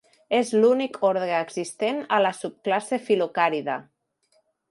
És l'únic ordre existent a la subclasse Fil·locàrida.